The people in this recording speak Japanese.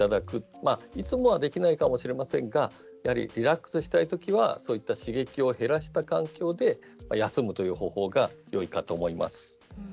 まあいつもはできないかもしれませんがやはりリラックスしたいときはそういった刺激を減らした環境で休むという方法がよいかと思います。